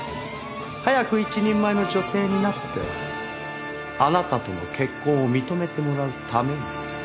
早く一人前の女性になってあなたとの結婚を認めてもらうために。